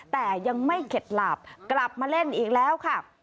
แต่ยังไม่เข็ดหลาบกลับมาเล่นอีกแล้วค่ะ